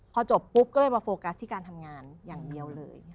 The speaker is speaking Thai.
พอจบปุ๊บก็เลยมาโฟกัสที่การทำงานอย่างเดียวเลย